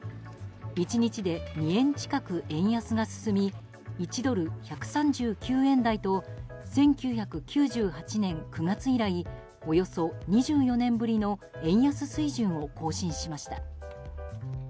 １日で２円近く円安が進み１ドル＝１３９円台と１９９８年９月以来およそ２４年ぶりの円安水準を更新しました。